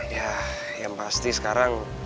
ya yang pasti sekarang